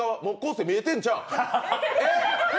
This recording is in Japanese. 生、見えてんちゃう？